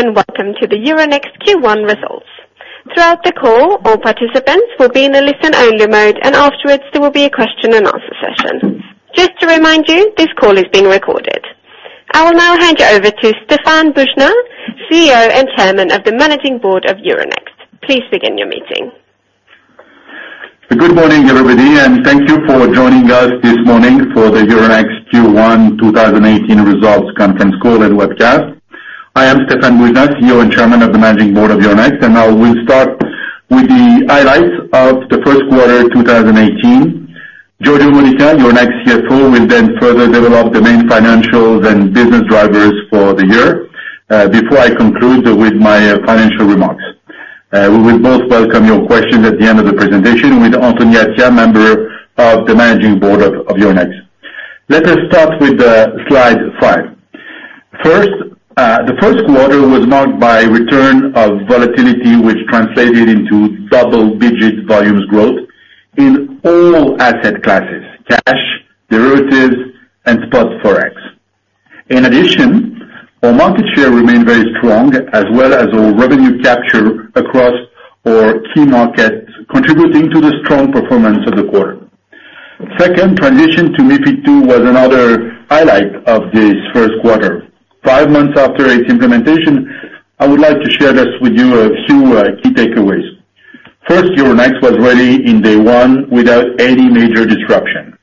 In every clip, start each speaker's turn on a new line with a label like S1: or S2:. S1: Hello, welcome to the Euronext Q1 results. Throughout the call, all participants will be in a listen-only mode. Afterwards there will be a question and answer session. Just to remind you, this call is being recorded. I will now hand you over to Stéphane Boujnah, CEO and Chairman of the Managing Board of Euronext. Please begin your meeting.
S2: Good morning, everybody. Thank you for joining us this morning for the Euronext Q1 2018 results conference call and webcast. I am Stéphane Boujnah, CEO and Chairman of the Managing Board of Euronext. I will start with the highlights of the first quarter 2018. Giorgio Modica, Euronext CFO, will further develop the main financials and business drivers for the year, before I conclude with my financial remarks. We will both welcome your questions at the end of the presentation with Anthony Attia, Member of the Managing Board of Euronext. Let us start with slide five. The first quarter was marked by return of volatility, which translated into double-digit volumes growth in all asset classes, cash, derivatives, and spot forex. In addition, our market share remained very strong as well as our revenue capture across our key markets, contributing to the strong performance of the quarter. Second, transition to MiFID II was another highlight of this first quarter. 5 months after its implementation, I would like to share thus with you a few key takeaways. First, Euronext was ready on day one without any major disruption.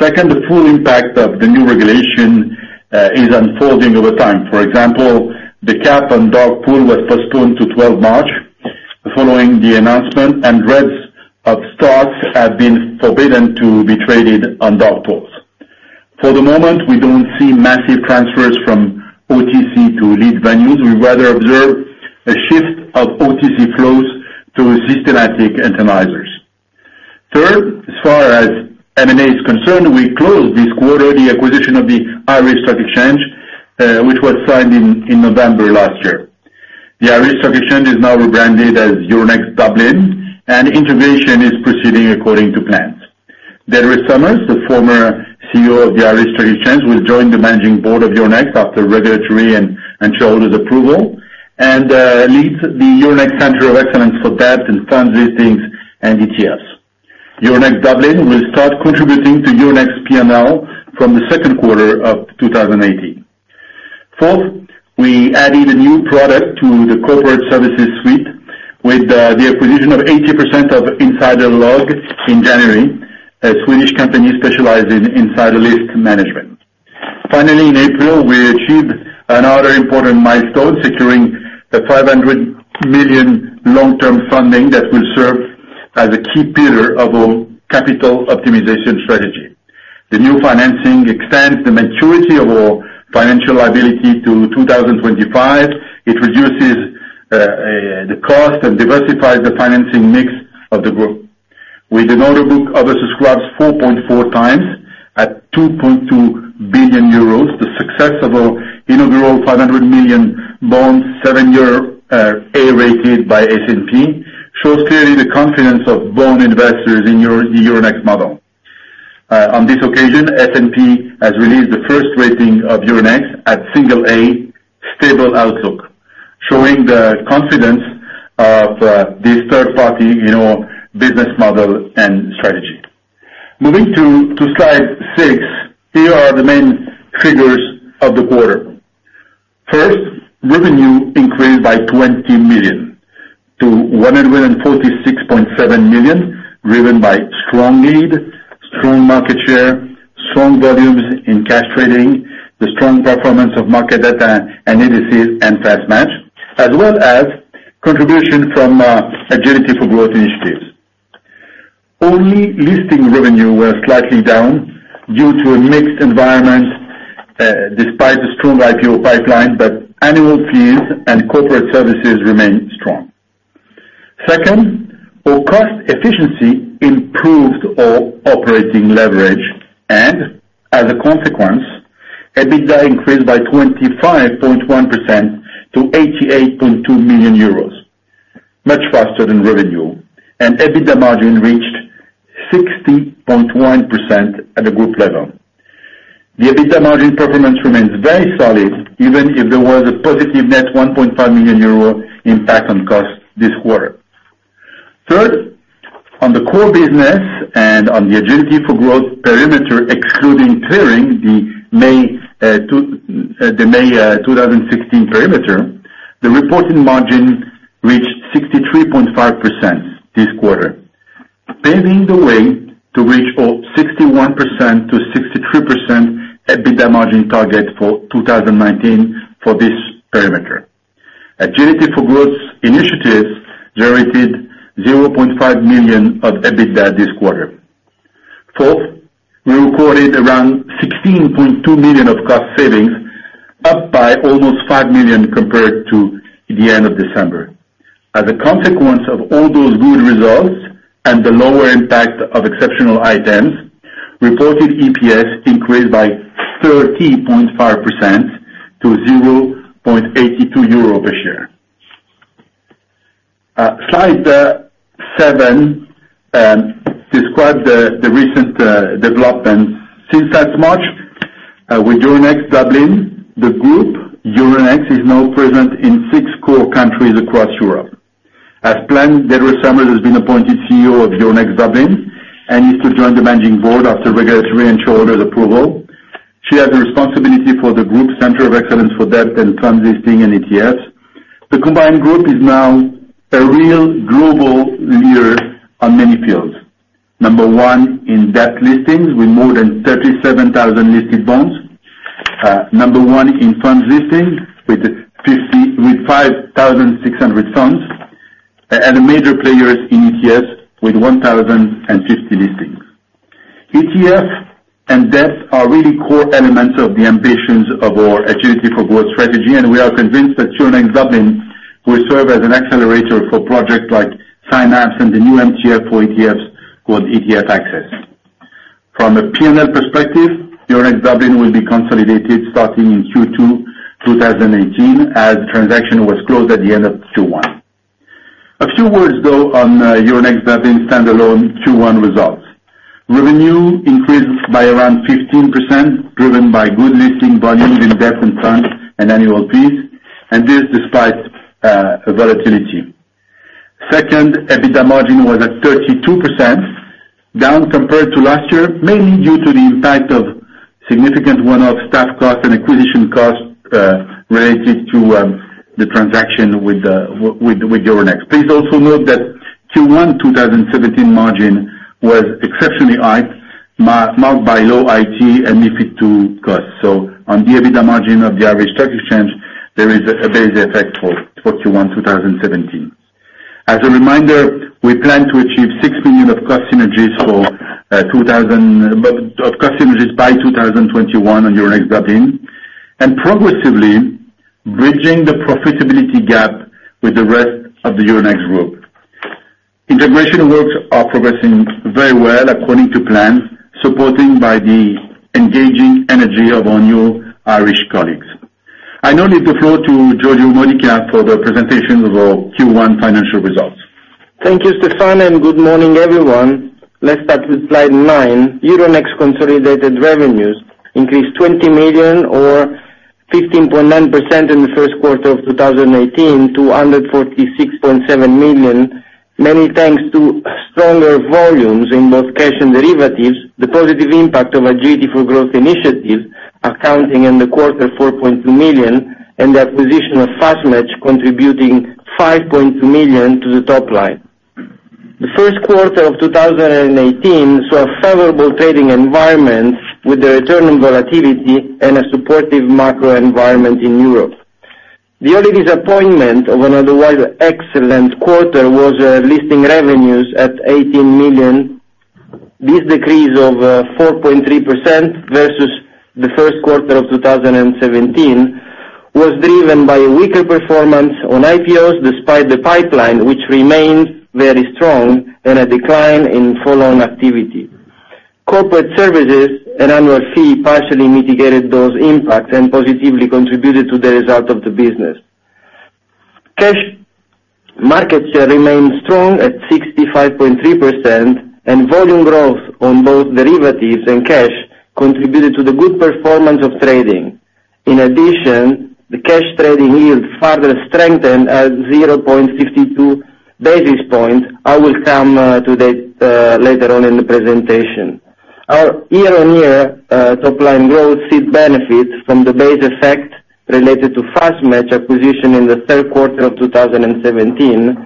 S2: Second, the full impact of the new regulation is unfolding over time. For example, the cap on dark pool was postponed to twelfth March following the announcement, and names of stocks have been forbidden to be traded on dark pools. For the moment, we don't see massive transfers from OTC to lit venues. We rather observe a shift of OTC flows to systematic internalizers. Third, as far as M&A is concerned, we closed this quarter the acquisition of the Irish Stock Exchange, which was signed in November last year. The Irish Stock Exchange is now rebranded as Euronext Dublin. Integration is proceeding according to plans. Deirdre Somers, the former CEO of the Irish Stock Exchange, will join the Managing Board of Euronext after regulatory and shareholders' approval, and leads the Euronext Center of Excellence for Debt and Funds Listings and ETFs. Euronext Dublin will start contributing to Euronext's P&L from the second quarter of 2018. Fourth, we added a new product to the corporate services suite with the acquisition of 80% of InsiderLog in January, a Swedish company specialized in insider list management. Finally, in April, we achieved another important milestone, securing the 500 million long-term funding that will serve as a key pillar of our capital optimization strategy. The new financing extends the maturity of our financial liability to 2025. It reduces the cost and diversifies the financing mix of the group. With an order book oversubscribed 4.4 times at 2.2 billion euros, the success of our inaugural 500 million bonds, seven-year A-rated by S&P, shows clearly the confidence of bond investors in the Euronext model. On this occasion, S&P has released the first rating of Euronext at single A, stable outlook, showing the confidence of this third party business model and strategy. Moving to slide six. Here are the main triggers of the quarter. First, revenue increased by 20 million to 146.7 million, driven by strong lead, strong market share, strong volumes in cash trading, the strong performance of market data and indices, and FastMatch, as well as contribution from Agility for Growth initiatives. Only listing revenue was slightly down due to a mixed environment, despite a strong IPO pipeline, but annual fees and corporate services remained strong. Second, our cost efficiency improved our operating leverage. As a consequence, EBITDA increased by 25.1% to 88.2 million euros, much faster than revenue. EBITDA margin reached 60.1% at the group level. The EBITDA margin performance remains very solid, even if there was a positive net 1.5 million euro impact on costs this quarter. Third, on the core business and on the Agility for Growth perimeter, excluding clearing the May 2016 perimeter, the reported margin reached 63.5% this quarter, paving the way to reach our 61%-63% EBITDA margin target for 2019 for this perimeter. Agility for Growth initiatives generated 0.5 million of EBITDA this quarter. Fourth, we recorded around 16.2 million of cost savings, up by almost 5 million compared to the end of December. As a consequence of all those good results and the lower impact of exceptional items, reported EPS increased by 30.5% to EUR 0.82 a share. Slide seven describes the recent developments. Since last March, with Euronext Dublin, the group Euronext is now present in six core countries across Europe. As planned, Deirdre Somers has been appointed CEO of Euronext Dublin and is to join the managing board after regulatory and shareholder approval. She has responsibility for the group's Center of Excellence for Debt and Funds Listing and ETFs. The combined group is now a real global leader on many fields. Number one in debt listings with more than 37,000 listed bonds, number one in funds listings with 5,600 funds, a major player in ETFs with 1,050 listings. ETFs and debt are really core elements of the ambitions of our Agility for Growth strategy. We are convinced that Euronext Dublin will serve as an accelerator for projects like Finats and the new MTF for ETFs, called ETF Access. From a P&L perspective, Euronext Dublin will be consolidated starting in Q2 2018, as the transaction was closed at the end of Q1. A few words, though, on Euronext Dublin standalone Q1 results. Revenue increased by around 15%, driven by good listing volumes in debt and funds and annual fees, despite volatility. Second, EBITDA margin was at 32%, down compared to last year, mainly due to the impact of significant one-off staff costs and acquisition costs related to the transaction with Euronext. Please also note that Q1 2017 margin was exceptionally high, marked by low IT and MiFID II costs. On the EBITDA margin of the Irish Stock Exchange, there is a base effect for Q1 2017. As a reminder, we plan to achieve 6 million of cost synergies by 2021 on Euronext Dublin and progressively bridging the profitability gap with the rest of the Euronext Group. Integration works are progressing very well according to plan, supported by the engaging energy of our new Irish colleagues. I now leave the floor to Giorgio Modica for the presentation of our Q1 financial results.
S3: Thank you, Stéphane, and good morning, everyone. Let's start with slide nine. Euronext consolidated revenues increased 20 million, or 15.9%, in the first quarter of 2018 to 146.7 million, mainly thanks to stronger volumes in both cash and derivatives, the positive impact of our Agility for Growth initiative accounting in the quarter 4.2 million, and the acquisition of FastMatch contributing 5.2 million to the top line. The first quarter of 2018 saw a favorable trading environment with the return on volatility and a supportive macro environment in Europe. The only disappointment of an otherwise excellent quarter was listing revenues at 18 million. This decrease of 4.3% versus the first quarter of 2017 was driven by a weaker performance on IPOs despite the pipeline, which remained very strong, and a decline in follow-on activity. Corporate services and annual fee partially mitigated those impacts and positively contributed to the result of the business. Cash market share remained strong at 65.3%, and volume growth on both derivatives and cash contributed to the good performance of trading. In addition, the cash trading yield further strengthened at 0.52 basis points. I will come to that later on in the presentation. Our year-on-year top-line growth sees benefits from the base effect related to FastMatch acquisition in the third quarter of 2017,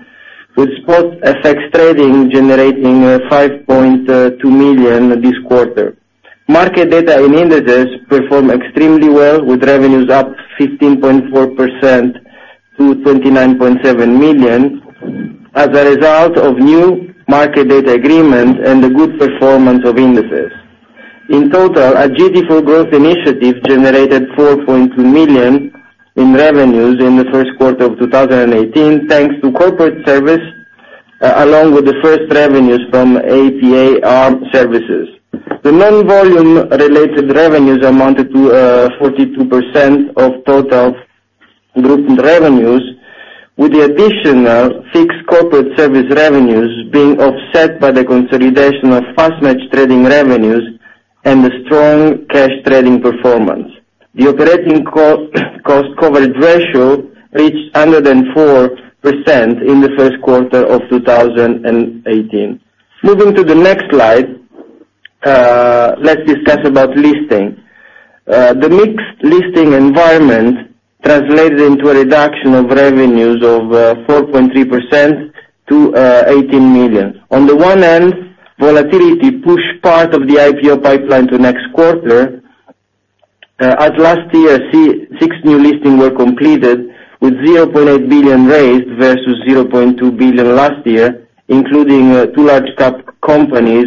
S3: with spot FX trading generating 5.2 million this quarter. Market data and indices performed extremely well, with revenues up 15.4% to 29.7 million as a result of new market data agreements and the good performance of indices. In total, our Agility for Growth initiative generated 4.2 million in revenues in the first quarter of 2018, thanks to corporate service, along with the first revenues from APA/ARM services. The non-volume related revenues amounted to 42% of total group revenues, with the additional fixed corporate service revenues being offset by the consolidation of FastMatch trading revenues and the strong cash trading performance. The operating cost cover ratio reached 104% in the first quarter of 2018. Moving to the next slide. Let's discuss about listing. The mixed listing environment translated into a reduction of revenues of 4.3% to 18 million. On the one hand, volatility pushed part of the IPO pipeline to next quarter, as last year, six new listings were completed with 0.8 billion raised versus 0.2 billion last year, including two large cap companies,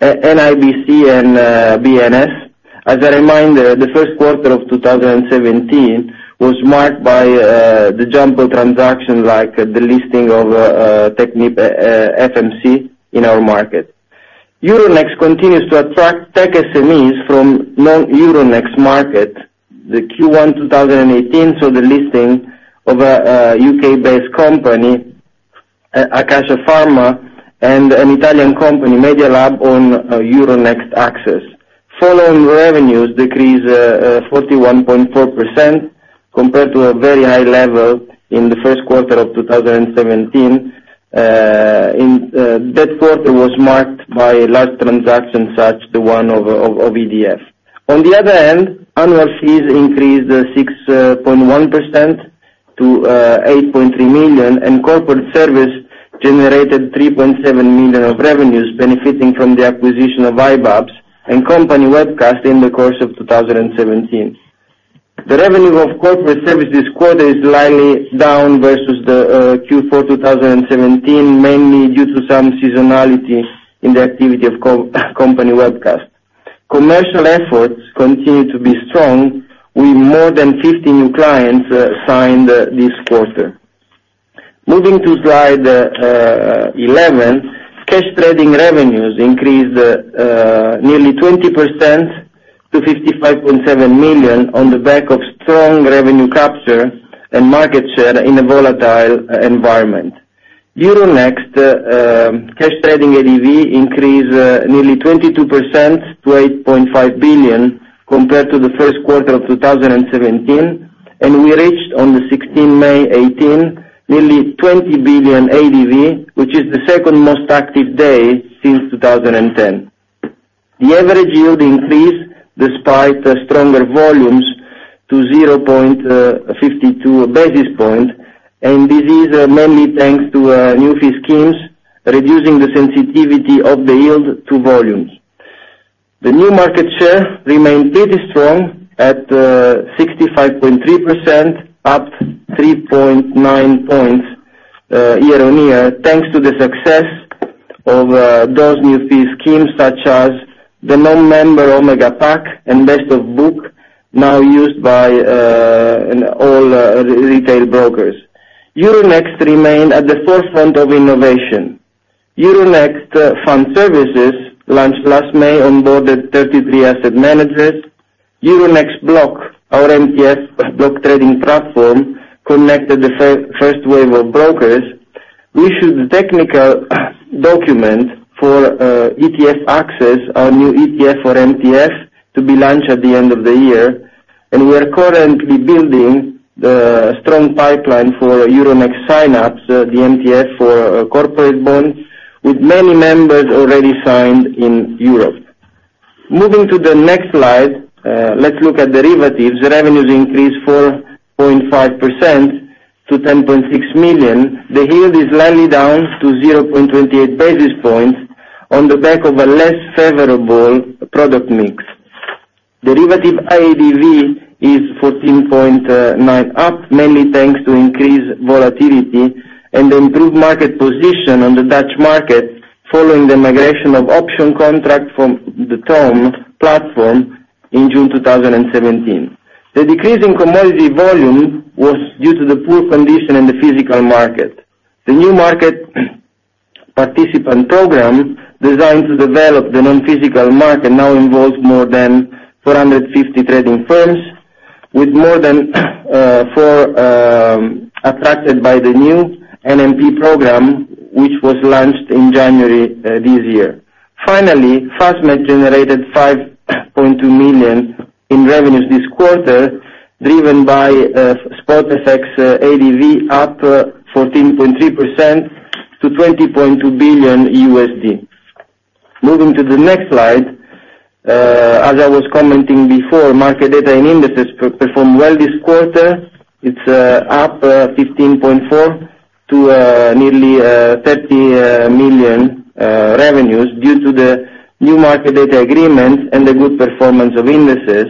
S3: NIBC and B&S Group. As a reminder, the first quarter of 2017 was marked by the Jumbo transaction, like the listing of FMC in our market. Euronext continues to attract tech SMEs from non-Euronext market. The Q1 2018 saw the listing of a U.K.-based company, Acacia Pharma, and an Italian company, Media Lab, on Euronext Access. Follow-on revenues decreased 41.4% compared to a very high level in the first quarter of 2017. That quarter was marked by large transactions, such the one of EDF. On the other hand, annual fees increased 6.1% to 8.3 million, and corporate service generated 3.7 million of revenues, benefiting from the acquisition of iBabs and Company Webcast in the course of 2017. The revenue of corporate service this quarter is slightly down versus the Q4 2017, mainly due to some seasonality in the activity of Company Webcast. Commercial efforts continue to be strong, with more than 50 new clients signed this quarter. Moving to slide 11. Cash trading revenues increased nearly 20% to 55.7 million on the back of strong revenue capture and market share in a volatile environment. Euronext cash trading ADV increased nearly 22% to 8.5 billion compared to the first quarter of 2017. We reached, on the 16th May 2018, nearly 20 billion ADV, which is the second most active day since 2010. The average yield increased despite stronger volumes to 0.52 basis points. This is mainly thanks to new fee schemes reducing the sensitivity of the yield to volumes. The new market share remained pretty strong at 65.3%, up 3.9 points year-on-year, thanks to the success of those new fee schemes, such as the non-member Omega Pack and Best of Book, now used by all retail brokers. Euronext remains at the forefront of innovation. Euronext Fund Services, launched last May, onboarded 33 asset managers. Euronext Block, our MTF block trading platform, connected the first wave of brokers, issued the technical document for Euronext ETF Access, our new ETF MTF to be launched at the end of the year. We are currently building the strong pipeline for Euronext Synapse, the MTF for corporate bonds, with many members already signed in Europe. Moving to the next slide. Let's look at derivatives. Revenues increased 4.5% to 10.6 million. The yield is slightly down to 0.28 basis points on the back of a less favorable product mix. Derivative AADV is 14.9% up, mainly thanks to increased volatility and improved market position on the Dutch market, following the migration of option contract from the TOM platform in June 2017. The decrease in commodity volume was due to the poor condition in the physical market. The new market participant program, designed to develop the non-physical market, now involves more than 450 trading firms, with more than four attracted by the new NMP program, which was launched in January this year. Finally, FastMatch generated 5.2 million in revenues this quarter, driven by Spot FX ADV up 14.3% to $20.2 billion. Moving to the next slide. As I was commenting before, market data and indices performed well this quarter. It's up 15.4% to nearly 30 million revenues due to the new market data agreement and the good performance of indices.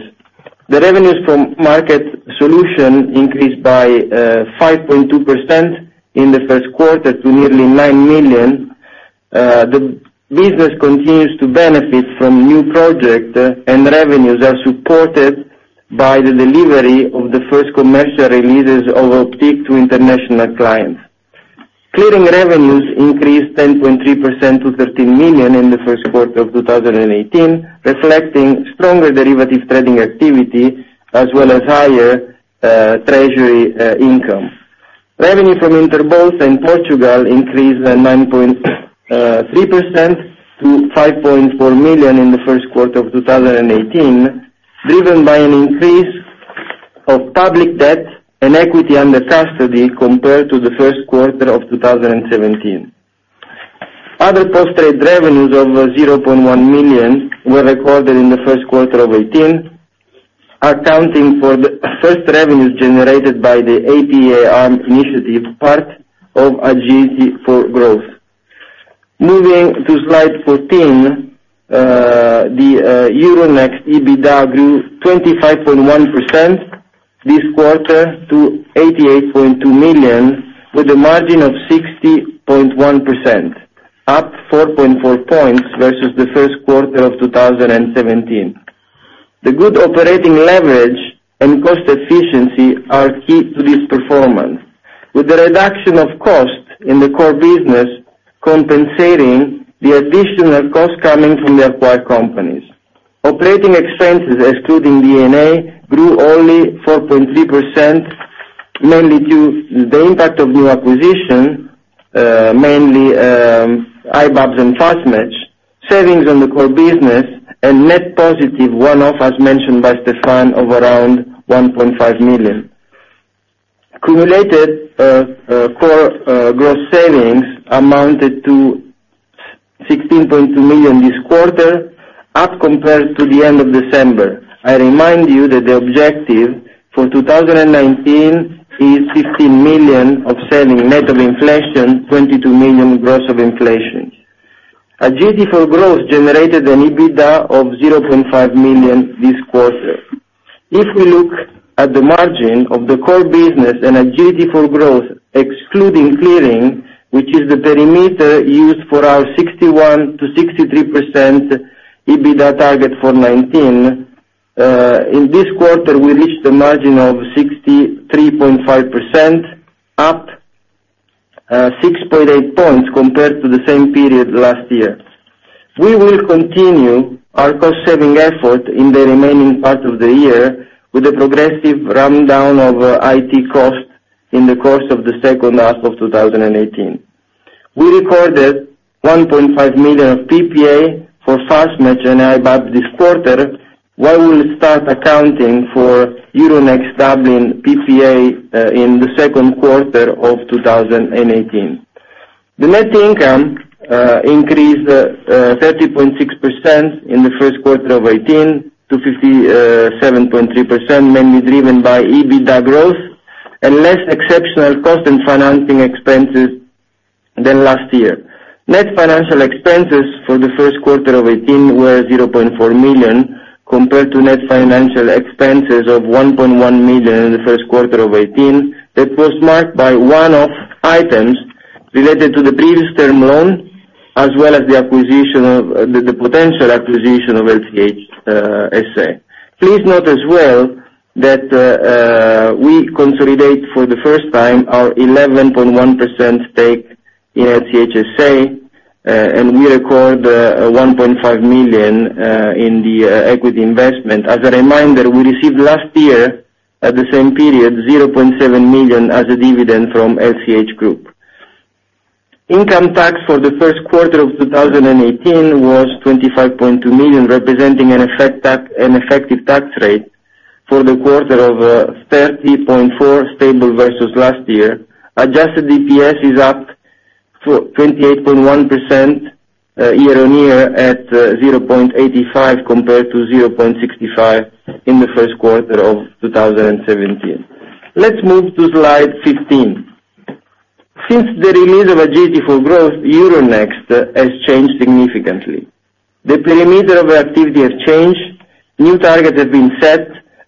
S3: The revenues from market solutions increased by 5.2% in the first quarter to nearly 9 million. The business continues to benefit from new projects, and revenues are supported by the delivery of the first commercial releases of Optiq to international clients. Clearing revenues increased 10.3% to 13 million in the first quarter of 2018, reflecting stronger derivatives trading activity, as well as higher treasury income. Revenue from Interbolsa in Portugal increased by 9.3% to 5.4 million in the first quarter of 2018, driven by an increase of public debt and equity under custody compared to the first quarter of 2017. Other post-trade revenues over 0.1 million were recorded in the first quarter of 2018, accounting for the first revenues generated by the APA/ARM initiative, part of Agility for Growth. Moving to slide 14, the Euronext EBITDA 25.1% this quarter to 88.2 million, with a margin of 60.1%, up 4.4 points versus the first quarter of 2017. The good operating leverage and cost efficiency are key to this performance. With the reduction of costs in the core business compensating the additional costs coming from the acquired companies. Operating expenses excluding D&A grew only 4.3%, mainly due to the impact of new acquisitions, mainly iBabs and FastMatch, savings on the core business and net positive one-offs as mentioned by Stéphane of around 1.5 million. Cumulated core gross savings amounted to 16.2 million this quarter, up compared to the end of December. I remind you that the objective for 2019 is 15 million of saving net of inflation, 22 million gross of inflation. Agility for Growth generated an EBITDA of 0.5 million this quarter. If we look at the margin of the core business and Agility for Growth, excluding clearing, which is the perimeter used for our 61%-63% EBITDA target for 2019. In this quarter, we reached a margin of 63.5%, up 6.8 points compared to the same period last year. We will continue our cost-saving effort in the remaining part of the year with a progressive rundown of IT costs in the course of the second half of 2018. We recorded 1.5 million of PPA for FastMatch and iBabs this quarter, where we'll start accounting for Euronext Dublin PPA in the second quarter of 2018. The net income increased 30.6% in the first quarter of 2018 to 57.3 million, mainly driven by EBITDA growth and less exceptional cost and financing expenses than last year. Net financial expenses for the first quarter of 2017 were 0.4 million. Compared to net financial expenses of 1.1 million in the first quarter of 2018, that was marked by one-off items related to the previous term loan, as well as the potential acquisition of LCH SA. Please note as well that we consolidate for the first time our 11.1% stake in LCH SA, and we record 1.5 million in the equity investment. As a reminder, we received last year, at the same period, 0.7 million as a dividend from LCH Group. Income tax for the first quarter of 2018 was 25.2 million, representing an effective tax rate for the quarter of 30.4%, stable versus last year. Adjusted EPS is up 28.1% year-over-year at 0.85 compared to 0.65 in the first quarter of 2017. Let's move to slide 15. Since the release of Agility for Growth, Euronext has changed significantly. The perimeter of activity has changed, new targets have been set.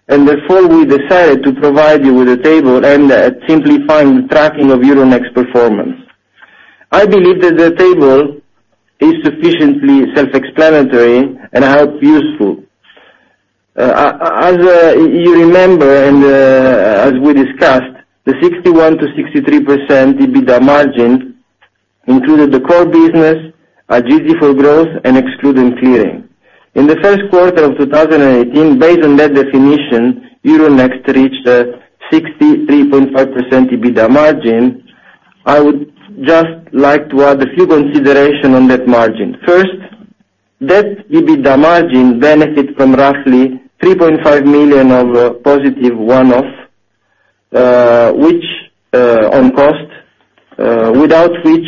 S3: Therefore we decided to provide you with a table and simplifying the tracking of Euronext performance. I believe that the table is sufficiently self-explanatory and useful. As you remember and as we discussed, the 61%-63% EBITDA margin included the core business, Agility for Growth, and excluding clearing. In the first quarter of 2018, based on that definition, Euronext reached a 63.5% EBITDA margin. I would just like to add a few consideration on that margin. First, that EBITDA margin benefit from roughly 3.5 million of positive one-off, on cost, without which,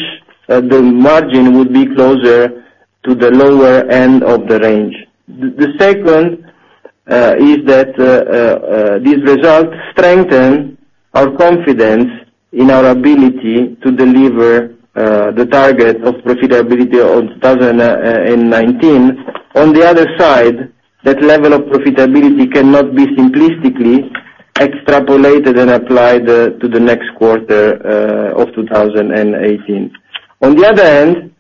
S3: the margin would be closer to the lower end of the range. The second is that this result strengthen our confidence in our ability to deliver the target of profitability of 2019. On the other side, that level of profitability cannot be simplistically extrapolated and applied to the next quarter of 2018. On the other hand,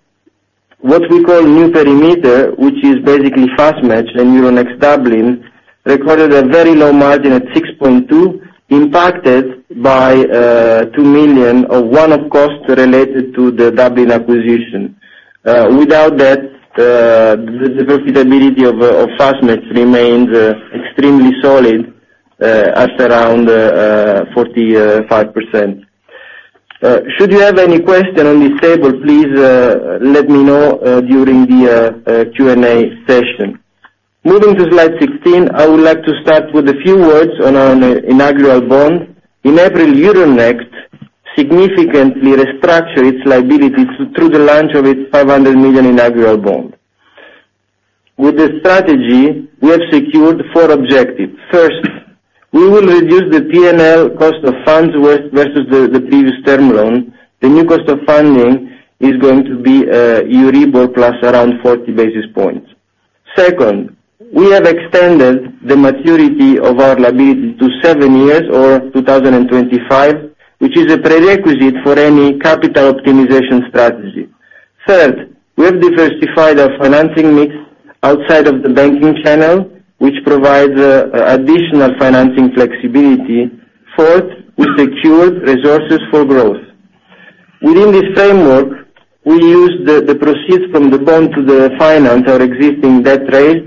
S3: what we call new perimeter, which is basically FastMatch and Euronext Dublin, recorded a very low margin at 6.2%, impacted by 2 million of one-off costs related to the Dublin acquisition. Without that, the profitability of FastMatch remains extremely solid at around 45%. Should you have any question on this table, please let me know during the Q&A session. Moving to slide 16, I would like to start with a few words on our inaugural bond. In April, Euronext significantly restructured its liabilities through the launch of its 500 million inaugural bond. With this strategy, we have secured four objectives. First, we will reduce the P&L cost of funds versus the previous term loan. The new cost of funding is going to be EURIBOR plus around 40 basis points. Second, we have extended the maturity of our liability to seven years or 2025, which is a prerequisite for any capital optimization strategy. Third, we have diversified our financing mix outside of the banking channel, which provides additional financing flexibility. Fourth, we secured resources for growth. Within this framework, we used the proceeds from the bond to refinance our existing debt rates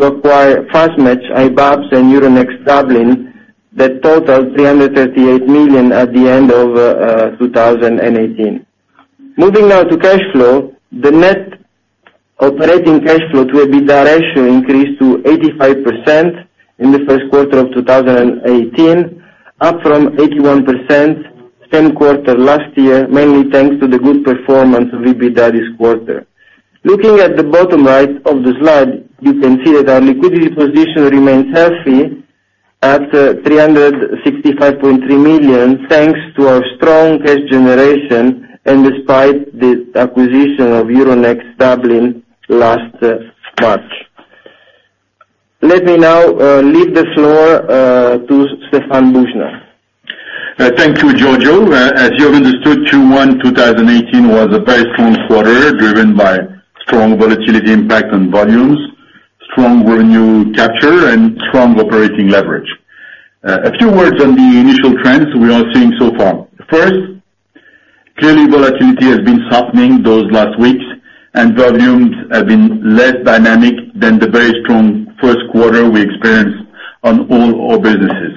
S3: to acquire FastMatch, iBabs, and Euronext Dublin, that total 338 million at the end of 2018. Moving now to cash flow, the net operating cash flow to EBITDA ratio increased to 85% in the first quarter of 2018, up from 81% same quarter last year, mainly thanks to the good performance of EBITDA this quarter. Looking at the bottom right of the slide, you can see that our liquidity position remains healthy at 365.3 million, thanks to our strong cash generation and despite the acquisition of Euronext Dublin last March. Let me now leave the floor to Stéphane Boujnah.
S2: Thank you, Giorgio. As you have understood, Q1 2018 was a very strong quarter, driven by strong volatility impact on volumes, strong revenue capture, and strong operating leverage. A few words on the initial trends we are seeing so far. First, clearly volatility has been softening those last weeks, and volumes have been less dynamic than the very strong first quarter we experienced on all our businesses.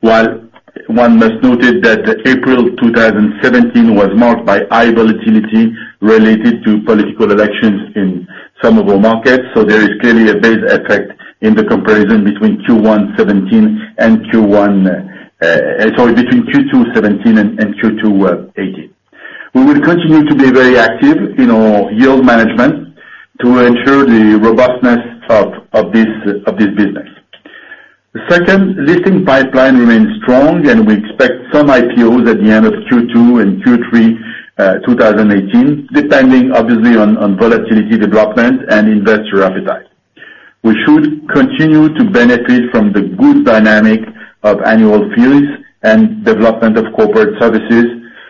S2: While one must noted that April 2017 was marked by high volatility related to political elections in some of our markets. There is clearly a base effect in the comparison between Q2 '17 and Q2 '18. We will continue to be very active in our yield management to ensure the robustness of this business. The second listing pipeline remains strong, and we expect some IPOs at the end of Q2 and Q3 2018, depending obviously on volatility development and investor appetite. We should continue to benefit from the good dynamic of annual fees and development of corporate services,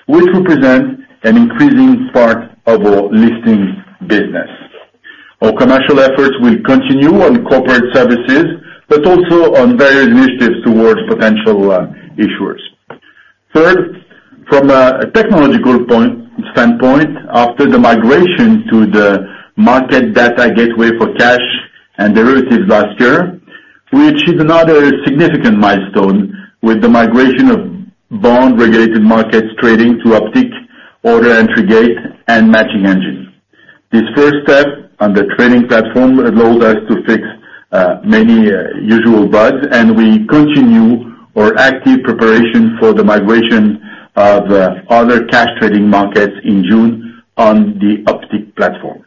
S2: which represent an increasing part of our listings business. Our commercial efforts will continue on corporate services, but also on various initiatives towards potential issuers. Third, from a technological standpoint, after the migration to the market data gateway for cash and derivatives last year, we achieved another significant milestone with the migration of bond-regulated markets trading to Optiq Order Entry Gateway and matching engine. This first step on the trading platform allows us to fix many usual bugs, and we continue our active preparation for the migration of other cash trading markets in June on the Optiq platform.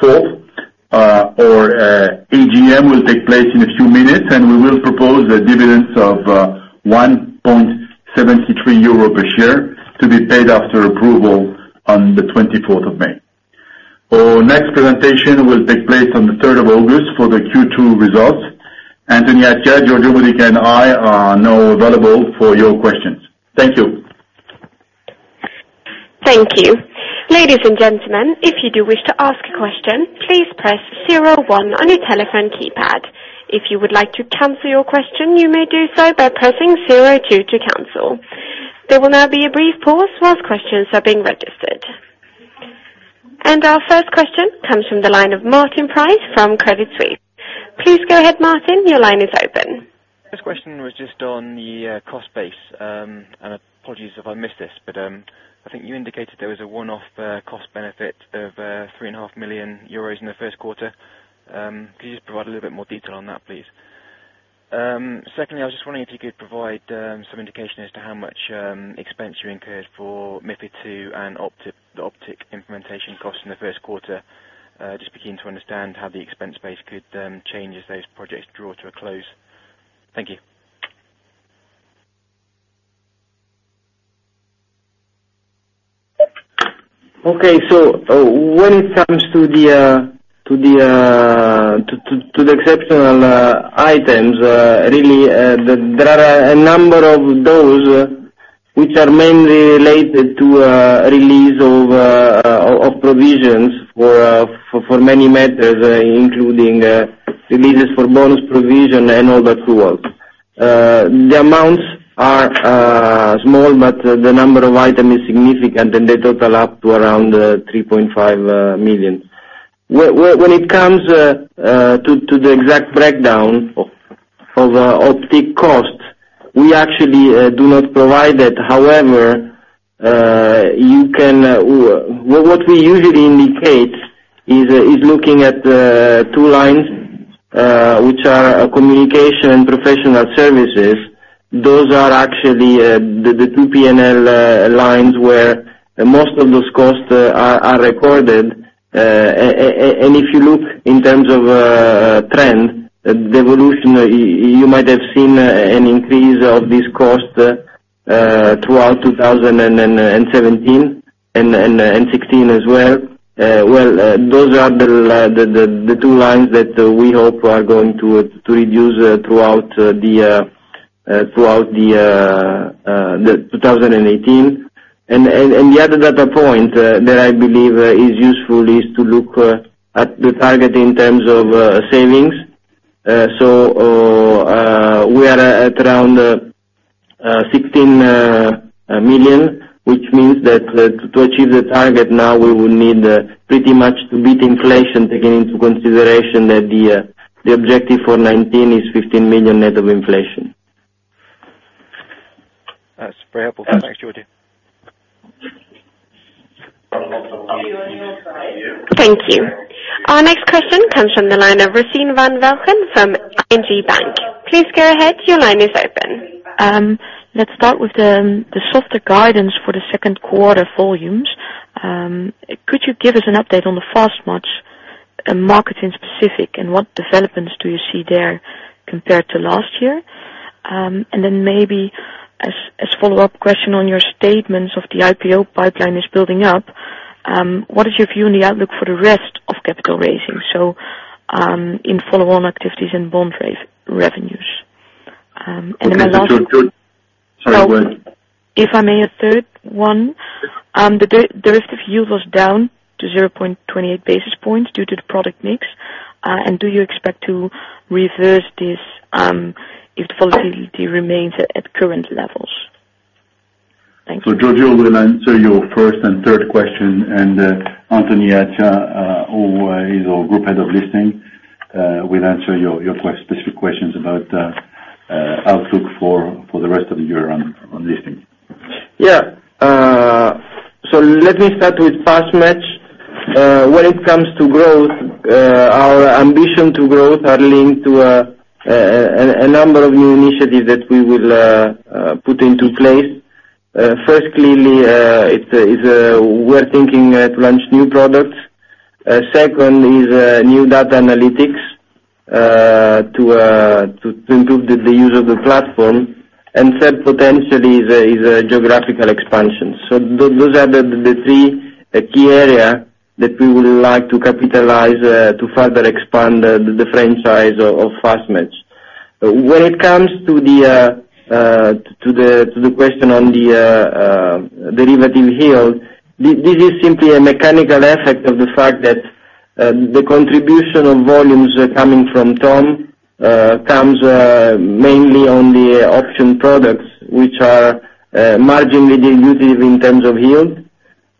S2: Fourth, our AGM will take place in a few minutes, and we will propose the dividends of 1.73 euro per share to be paid after approval on the 24th of May. Our next presentation will take place on the 3rd of August for the Q2 results. Anthony Attia, Giorgio Modica, and I are now available for your questions. Thank you.
S1: Thank you. Ladies and gentlemen, if you do wish to ask a question, please press 01 on your telephone keypad. If you would like to cancel your question, you may do so by pressing 02 to cancel. There will now be a brief pause whilst questions are being registered. Our first question comes from the line of Martin Price from Credit Suisse. Please go ahead, Martin. Your line is open.
S4: This question was just on the cost base. Apologies if I missed this, but I think you indicated there was a one-off cost benefit of 3.5 million euros in the first quarter. Could you just provide a little bit more detail on that, please? Secondly, I was just wondering if you could provide some indication as to how much expense you incurred for MiFID II and the Optiq implementation costs in the first quarter. Just beginning to understand how the expense base could then change as those projects draw to a close. Thank you.
S3: Okay. When it comes to the exceptional items, really, there are a number of those which are mainly related to release of provisions for many matters, including releases for bonus provision and all that through work. The amounts are small, but the number of item is significant, and they total up to around 3.5 million. When it comes to the exact breakdown of Optiq costs, we actually do not provide that. However, what we usually indicate is looking at two lines, which are communication and professional services. Those are actually the two P&L lines where most of those costs are recorded. If you look in terms of trend, the evolution, you might have seen an increase of this cost throughout 2017 and 2016 as well. Those are the two lines that we hope are going to reduce throughout 2018. The other data point that I believe is useful is to look at the target in terms of savings. We are at around 16 million, which means that to achieve the target now, we will need pretty much to beat inflation, taking into consideration that the objective for 2019 is 15 million net of inflation.
S4: That's very helpful. Thanks Giorgio.
S1: Thank you. Our next question comes from the line of Rosine van Welken from ING Bank. Please go ahead. Your line is open.
S5: Let's start with the softer guidance for the second quarter volumes. Could you give us an update on the FastMatch, market-specific, and what developments do you see there compared to last year? Maybe as follow-up question on your statements of the IPO pipeline is building up, what is your view on the outlook for the rest of capital raising? In follow-on activities and bond raise revenues.
S2: Sorry, go ahead.
S5: If I may, a third one. The rest of yield was down to 0.28 basis points due to the product mix. Do you expect to reverse this if the volatility remains at current levels? Thanks.
S2: Giorgio will answer your first and third question, Anthony Attia, who is our Group Head of Listing, will answer your specific questions about outlook for the rest of the year on listing.
S3: Let me start with FastMatch. When it comes to growth, our ambition to growth are linked to a number of new initiatives that we will put into place. First, clearly, we are thinking to launch new products. Second is new data analytics to improve the use of the platform, and third potential is geographical expansion. Those are the three key areas that we would like to capitalize to further expand the franchise of FastMatch. When it comes to the question on the derivative yield, this is simply a mechanical effect of the fact that the contribution of volumes coming from TOM comes mainly on the auction products, which are margin-dilutive in terms of yield.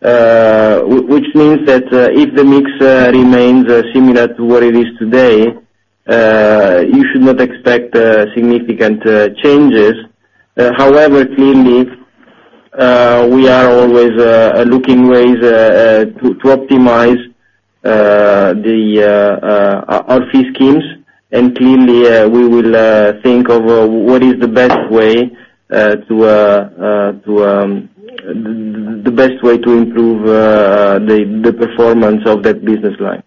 S3: Which means that if the mix remains similar to what it is today, you should not expect significant changes. However, clearly, we are always looking ways to optimize our fee schemes, and clearly we will think of what is the best way to improve the performance of that business line.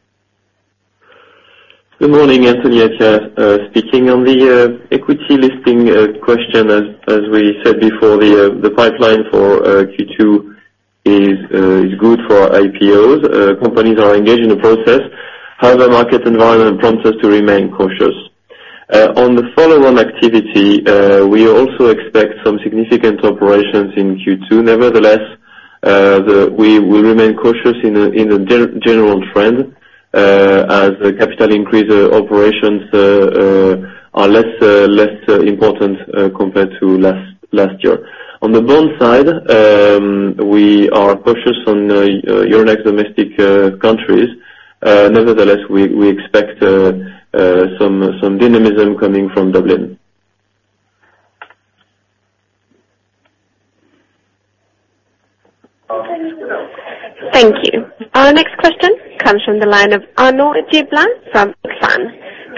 S6: Good morning. Anthony Attia speaking. On the equity listing question, as we said before, the pipeline for Q2 is good for our IPOs. Companies are engaged in the process. However, market environment prompts us to remain cautious. On the follow-on activity, we also expect some significant operations in Q2. Nevertheless, we will remain cautious in the general trend, as the capital increase operations are less important compared to last year. On the bond side, we are cautious on Euronext domestic countries. Nevertheless, we expect some dynamism coming from Dublin.
S1: Thank you. Our next question comes from the line of Arnaud de Blan from AXA.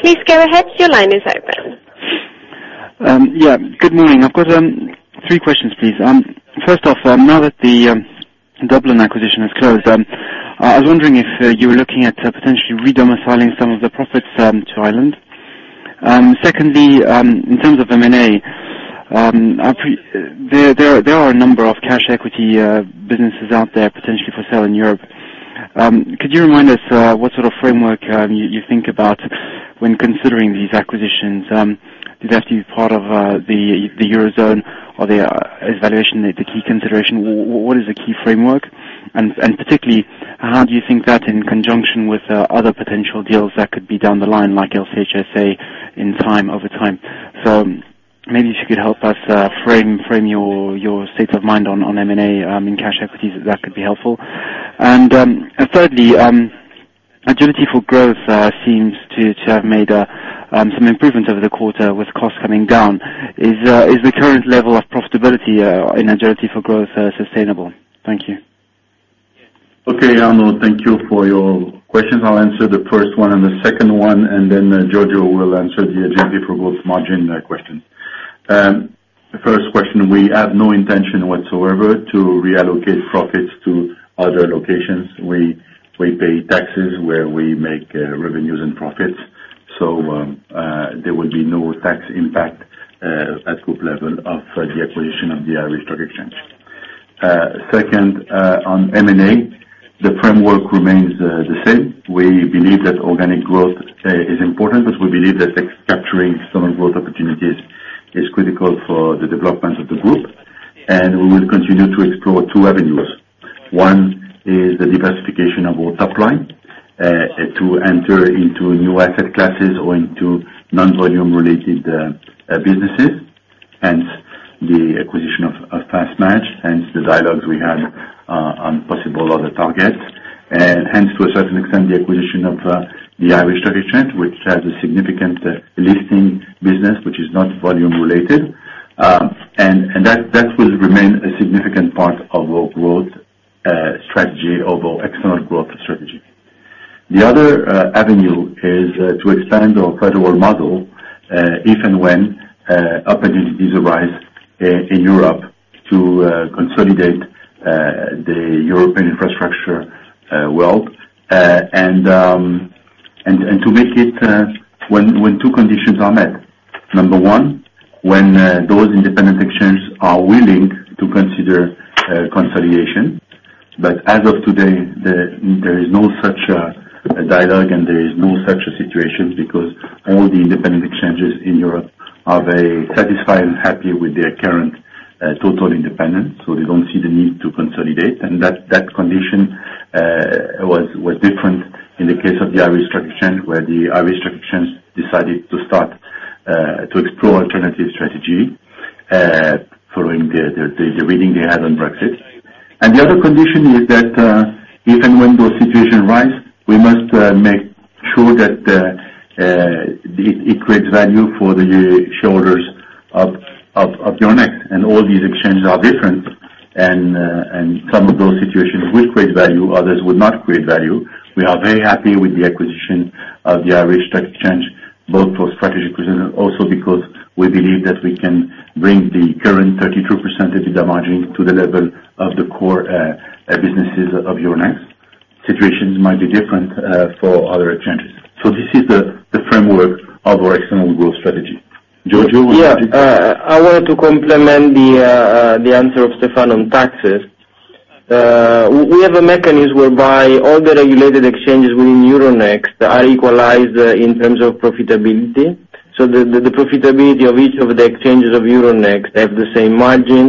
S1: Please go ahead. Your line is open.
S7: Yeah. Good morning. I've got three questions, please. First off, now that the Dublin acquisition has closed, I was wondering if you were looking at potentially re-domiciling some of the profits to Ireland. Secondly, in terms of M&A, there are a number of cash equity businesses out there potentially for sale in Europe. Could you remind us what sort of framework you think about when considering these acquisitions? Do they have to be part of the Eurozone or the valuation, the key consideration, what is the key framework? Particularly, how do you think that in conjunction with other potential deals that could be down the line, like LCH SA in time, over time? Maybe if you could help us frame your state of mind on M&A in cash equities, that could be helpful. Thirdly, Agility for Growth seems to have made some improvement over the quarter with costs coming down. Is the current level of profitability in Agility for Growth sustainable? Thank you.
S2: Okay, Arnaud, thank you for your questions. I'll answer the first one and the second one, then Giorgio will answer the Agility for Growth margin question. The first question, we have no intention whatsoever to reallocate profits to other locations. We pay taxes where we make revenues and profits. There will be no tax impact at group level of the acquisition of the Irish Stock Exchange. Second, on M&A, the framework remains the same. We believe that organic growth is important, we believe that capturing some growth opportunities is critical for the development of the group, we will continue to explore two avenues. One is the diversification of our top line to enter into new asset classes or into non-volume related businesses, hence the acquisition of FastMatch, hence the dialogues we have on possible other targets. Hence, to a certain extent, the acquisition of the Irish Stock Exchange, which has a significant listing business which is not volume-related. That will remain a significant part of our growth strategy, of our external growth strategy. The other avenue is to extend our credible model, if and when opportunities arise in Europe to consolidate the European infrastructure wealth, and to make it when two conditions are met. Number 1, when those independent exchanges are willing to consider consolidation. As of today, there is no such dialogue and there is no such situation because all the independent exchanges in Europe are very satisfied and happy with their current total independence. They don't see the need to consolidate.
S6: That condition was different in the case of the Irish Stock Exchange, where the Irish Stock Exchange decided to start to explore alternative strategy following the reading they had on Brexit. The other condition is that, if and when those situations arise, we must make sure that it creates value for the shareholders of Euronext. All these exchanges are different, and some of those situations will create value, others would not create value. We are very happy with the acquisition of the Irish Stock Exchange
S2: Both for strategic reasons, also because we believe that we can bring the current 32% EBITDA margin to the level of the core businesses of Euronext. Situations might be different for other exchanges. This is the framework of our external growth strategy. Giorgio, would you-
S3: Yeah. I wanted to complement the answer of Stéphane on taxes. We have a mechanism whereby all the regulated exchanges within Euronext are equalized in terms of profitability. The profitability of each of the exchanges of Euronext have the same margin,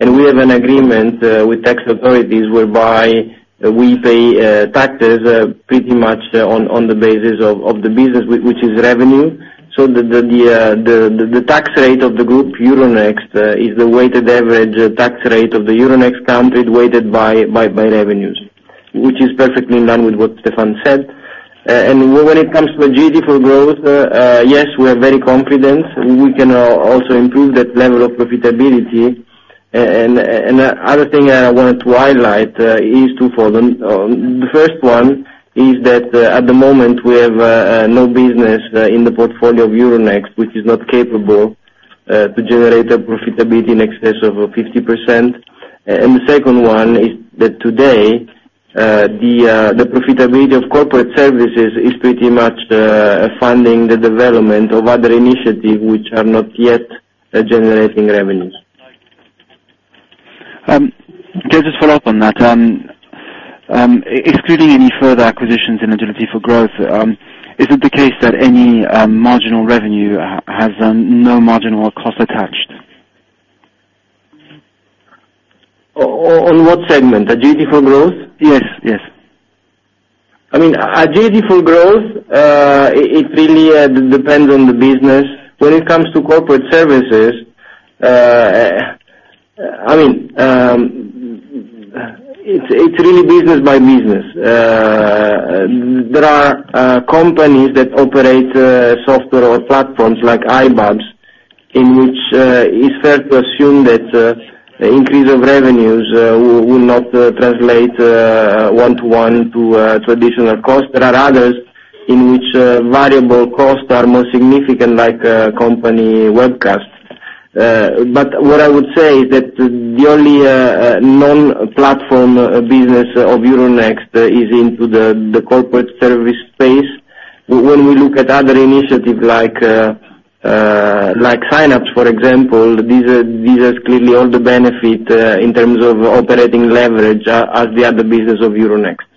S3: and we have an agreement with tax authorities whereby we pay taxes pretty much on the basis of the business, which is revenue, so the tax rate of the group, Euronext, is the weighted average tax rate of the Euronext country, weighted by revenues, which is perfectly in line with what Stéphane said. When it comes to Agility for Growth, yes, we are very confident. We can also improve that level of profitability. Other thing I wanted to highlight is two for them. The first one is that at the moment, we have no business in the portfolio of Euronext, which is not capable to generate a profitability in excess of 50%. The second one is that today, the profitability of corporate services is pretty much funding the development of other initiatives which are not yet generating revenues.
S7: Can I just follow up on that? Excluding any further acquisitions in Agility for Growth, is it the case that any marginal revenue has no marginal cost attached?
S3: On what segment? Agility for Growth?
S7: Yes.
S3: Agility for Growth, it really depends on the business. When it comes to corporate services, it's really business by business. There are companies that operate software or platforms like iBabs, in which it's fair to assume that the increase of revenues will not translate one-to-one to additional costs. There are others in which variable costs are more significant, like Company Webcast. What I would say is that the only non-platform business of Euronext is into the corporate service space. When we look at other initiatives like Synapse, for example, these are clearly all the benefit, in terms of operating leverage as the other business of Euronext.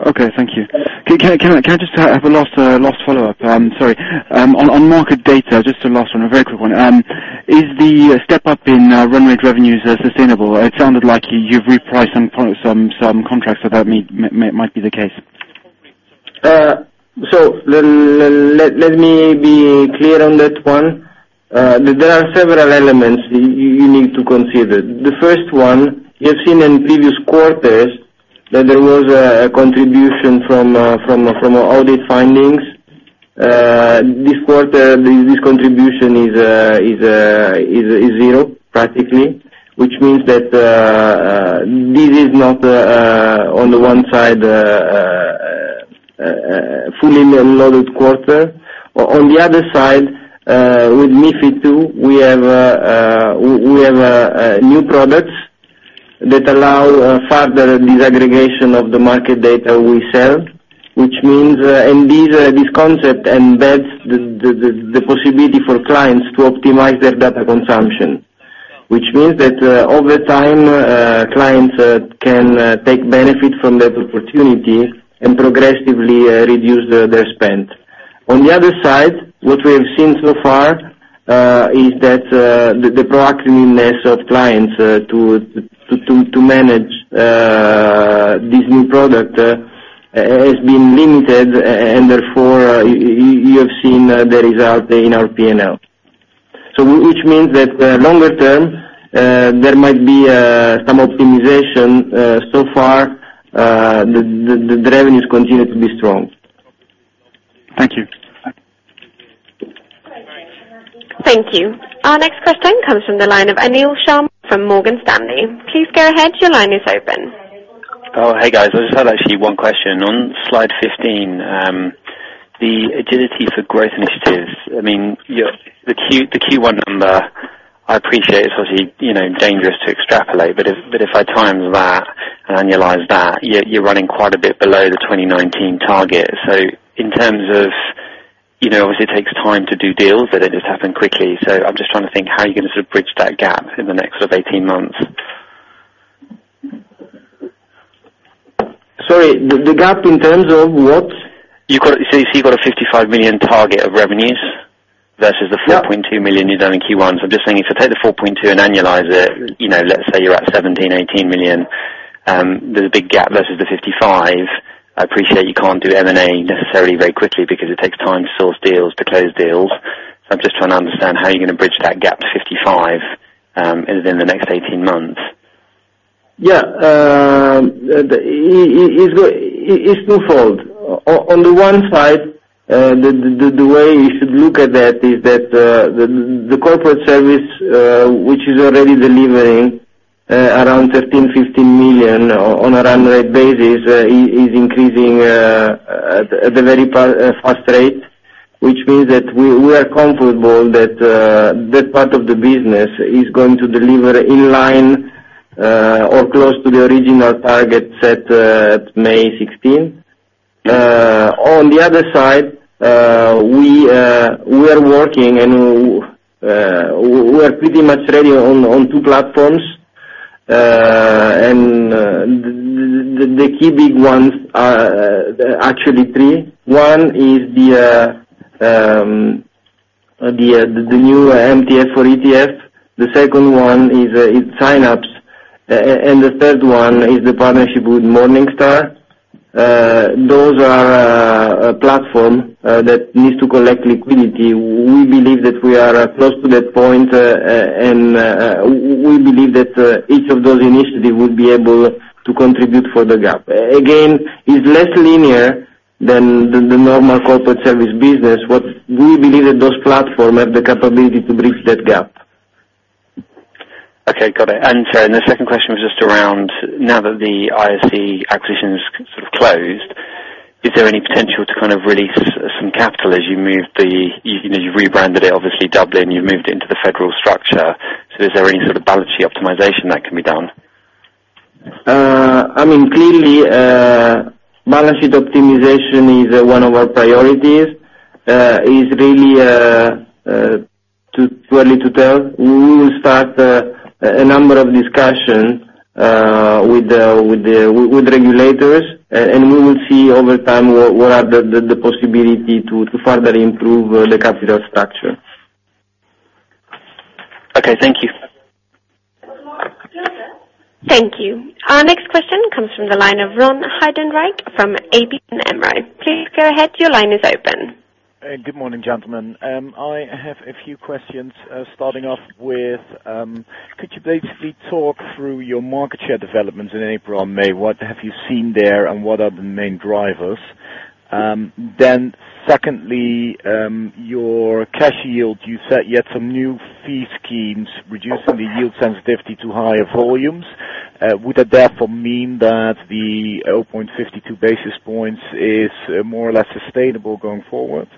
S7: Okay, thank you. Can I just have a last follow-up? Sorry. On market data, just a last one, a very quick one. Is the step-up in run rate revenues sustainable? It sounded like you've repriced some contracts, so that might be the case.
S3: Let me be clear on that one. There are several elements you need to consider. The first one, you have seen in previous quarters that there was a contribution from audit findings. This quarter, this contribution is zero, practically, which means that this is not, on the one side, a fully loaded quarter. On the other side, with MiFID II, we have new products that allow further disaggregation of the market data we sell, and this concept embeds the possibility for clients to optimize their data consumption. Which means that over time, clients can take benefit from that opportunity and progressively reduce their spend. On the other side, what we have seen so far is that the proactiveness of clients to manage this new product has been limited, and therefore, you have seen the result in our P&L. Which means that longer term, there might be some optimization. Far, the revenues continue to be strong.
S7: Thank you.
S1: Thank you. Our next question comes from the line of Anil Sharma from Morgan Stanley. Please go ahead, your line is open.
S8: Oh, hey, guys. I just had actually one question. On slide 15, the Agility for Growth initiatives. I mean, the Q1 number, I appreciate it is obviously dangerous to extrapolate, but if I time that and annualize that, you're running quite a bit below the 2019 target. In terms of, obviously it takes time to do deals, they don't just happen quickly, I'm just trying to think how you're going to sort of bridge that gap in the next sort of 18 months.
S3: Sorry, the gap in terms of what?
S8: You've got a 55 million target of revenues versus the 4.2 million you've done in Q1. I'm just thinking, take the 4.2 and annualize it, let's say you're at 17 million-18 million. There's a big gap versus the 55 million. I appreciate you can't do M&A necessarily very quickly because it takes time to source deals, to close deals. I'm just trying to understand how you're going to bridge that gap to 55 million within the next 18 months.
S3: Yeah. It is twofold. On the one side, the way you should look at that is that the corporate service, which is already delivering around 13 million-15 million on a run rate basis is increasing at a very fast rate, which means that we are comfortable that part of the business is going to deliver in line or close to the original target set at May 2016. On the other side, we are working and we are pretty much ready on two platforms. The key big ones are actually three. One is the new MTF for ETF. The second one is Synapse, and the third one is the partnership with Morningstar. Those are a platform that needs to collect liquidity. We believe that we are close to that point, and we believe that each of those initiatives will be able to contribute for the gap. It is less linear than the normal corporate service business. What we believe is those platforms have the capability to bridge that gap.
S8: Okay, got it. The second question was just around now that the ISE acquisition is closed, is there any potential to release some capital as you have rebranded it, obviously, Dublin, you have moved into the federal structure. Is there any sort of balance sheet optimization that can be done?
S3: Clearly, balance sheet optimization is one of our priorities. It is really too early to tell. We will start a number of discussions with regulators, we will see over time what are the possibility to further improve the capital structure.
S8: Okay, thank you.
S1: Thank you. Our next question comes from the line of Ron Heijdenrijk from ABN AMRO. Please go ahead. Your line is open.
S9: Good morning, gentlemen. I have a few questions, starting off with, could you briefly talk through your market share developments in April and May? What have you seen there, and what are the main drivers? Secondly, your cash yield, you set yet some new fee schemes reducing the yield sensitivity to higher volumes. Would that therefore mean that the 0.52 basis points is more or less sustainable going forward?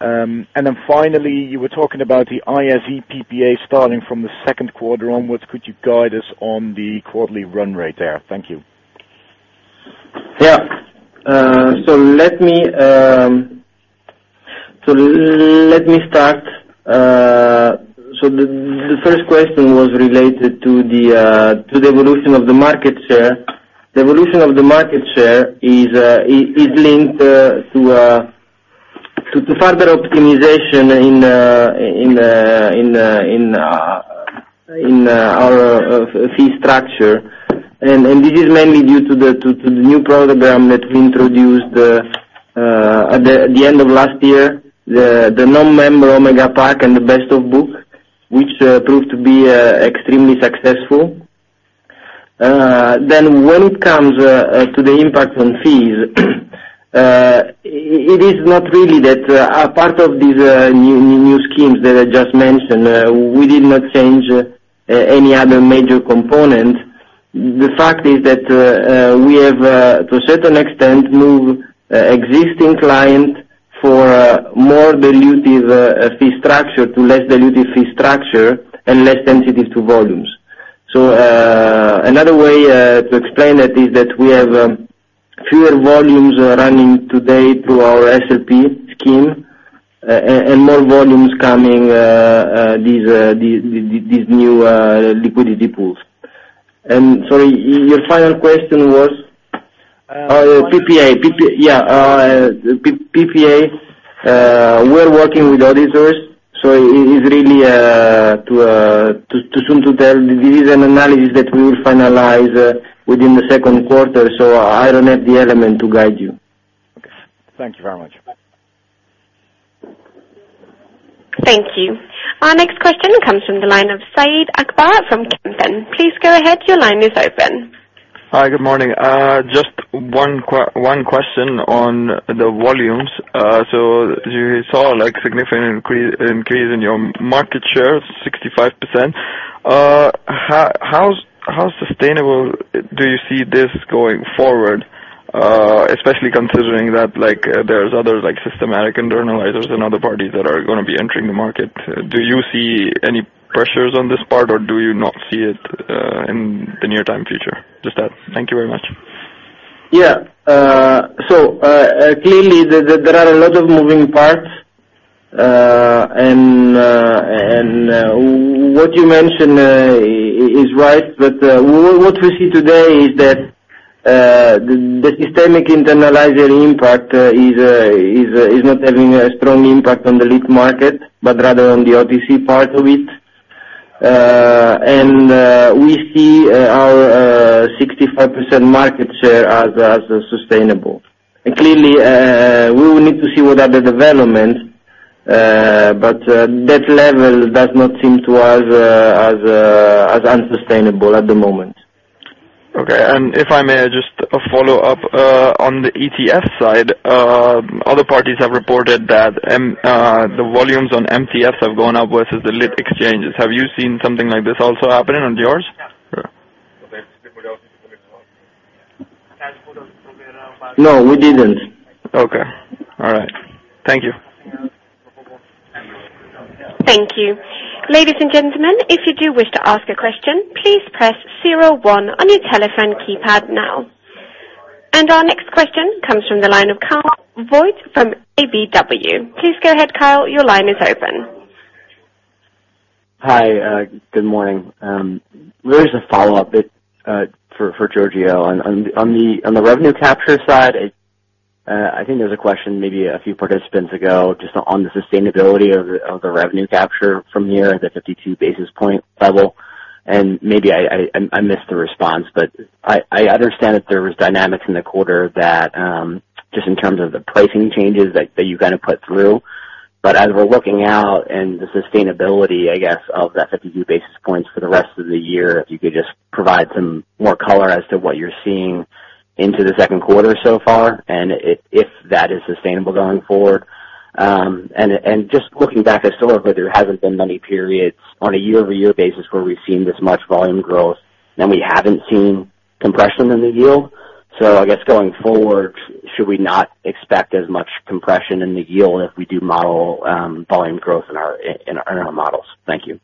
S9: And finally, you were talking about the ISE PPA starting from the second quarter onwards. Could you guide us on the quarterly run rate there? Thank you.
S3: Let me start. The first question was related to the evolution of the market share. The evolution of the market share is linked to further optimization in our fee structure. This is mainly due to the new program that we introduced at the end of last year, the non-member Pack Omega and the Best of Book, which proved to be extremely successful. When it comes to the impact on fees, it is not really that a part of these new schemes that I just mentioned, we did not change any other major component. The fact is that we have, to a certain extent, moved existing clients for a more dilutive fee structure to a less dilutive fee structure and less sensitive to volumes. Another way to explain it is that we have fewer volumes running today through our SLP scheme and more volumes coming these new liquidity pools. Sorry, your final question was PPA. We're working with auditors, so it's really too soon to tell. This is an analysis that we will finalize within the second quarter, so I don't have the element to guide you.
S9: Thank you very much.
S1: Thank you. Our next question comes from the line of Syed Akbar from Kempen. Please go ahead. Your line is open.
S10: Hi, good morning. Just one question on the volumes. You saw significant increase in your market share of 65%. How sustainable do you see this going forward, especially considering that there's others, like systematic internalizers and other parties that are going to be entering the market? Do you see any pressures on this part, or do you not see it in the near time future? Just that. Thank you very much.
S3: Yeah. Clearly, there are a lot of moving parts, and what you mentioned is right, but what we see today is that the systematic internalizer impact is not having a strong impact on the lit market, but rather on the OTC part of it. We see our 65% market share as sustainable. Clearly, we will need to see what are the developments, but that level does not seem to us as unsustainable at the moment.
S10: Okay. If I may, just a follow-up on the ETF side. Other parties have reported that the volumes on MTFs have gone up versus the lit exchanges. Have you seen something like this also happening on yours?
S3: No, we didn't.
S10: Okay. All right. Thank you.
S1: Thank you. Ladies and gentlemen, if you do wish to ask a question, please press 01 on your telephone keypad now. Our next question comes from the line of Kyle Voigt from KBW. Please go ahead, Kyle, your line is open.
S11: Hi, good morning. Really as a follow-up for Giorgio on the revenue capture side, I think there's a question maybe a few participants ago just on the sustainability of the revenue capture from here at the 52 basis points level. Maybe I missed the response, but I understand that there was dynamics in the quarter that just in terms of the pricing changes that you're going to put through. As we're looking out and the sustainability, I guess, of the 52 basis points for the rest of the year, if you could just provide some more color as to what you're seeing into the second quarter so far and if that is sustainable going forward. Just looking back historically, there haven't been many periods on a year-over-year basis where we've seen this much volume growth, then we haven't seen compression in the yield. I guess going forward, should we not expect as much compression in the yield if we do model volume growth in our models? Thank you.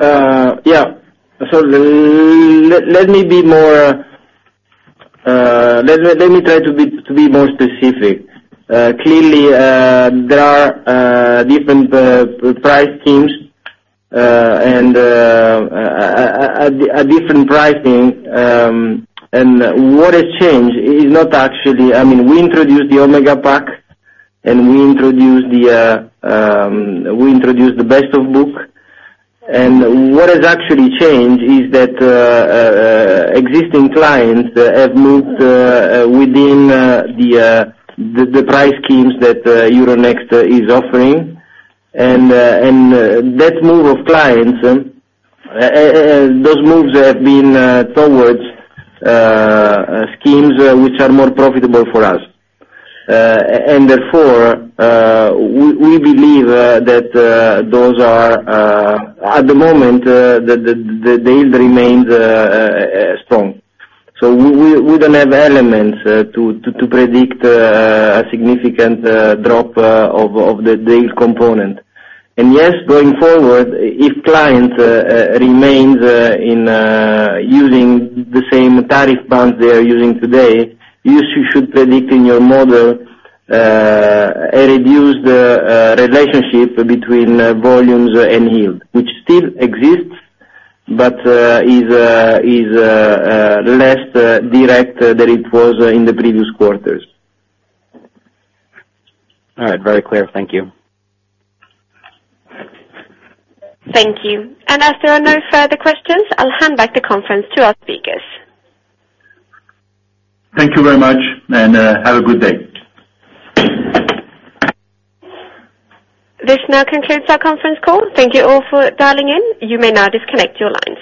S3: Yeah. Let me try to be more specific. Clearly, there are different price schemes and a different pricing. What has changed is that we introduced the Omega Pack, and we introduced the Best of Book. What has actually changed is that existing clients have moved within the price schemes that Euronext is offering. That move of clients, those moves have been towards schemes which are more profitable for us. Therefore, we believe that those are, at the moment, they remain strong. We don't have elements to predict a significant drop of the yield component. Yes, going forward, if clients remains in using the same tariff plans they are using today, you should predict in your model a reduced relationship between volumes and yield, which still exists but is less direct than it was in the previous quarters.
S11: All right. Very clear. Thank you.
S1: Thank you. As there are no further questions, I'll hand back the conference to our speakers.
S3: Thank you very much, and have a good day.
S1: This now concludes our conference call. Thank you all for dialing in. You may now disconnect your lines.